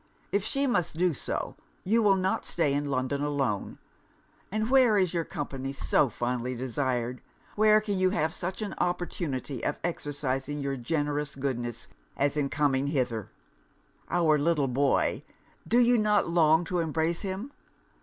If she must do so, you will not stay in London alone; and where is your company so fondly desired, where can you have such an opportunity of exercising your generous goodness, as in coming hither? Our little boy do you not long to embrace him?